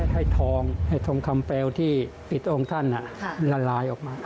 ให้ทองให้ทองคำเปลวที่พระองค์ท่านละลายออกมา